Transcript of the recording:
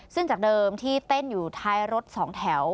ซึ่งจากเดิมที่เต้นอยู่ท้ายรถสองแถว